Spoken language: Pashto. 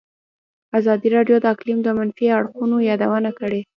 ازادي راډیو د اقلیم د منفي اړخونو یادونه کړې.